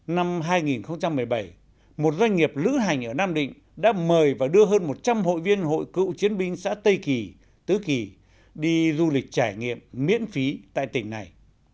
năm hai nghìn một mươi bảy một doanh nghiệp lữ hành ở nam định đã mời và đưa hơn một trăm linh hội viên hội cựu chiến binh xã tây kỳ tứ kỳ đi du lịch trải nghiệm miễn phí tại tỉnh này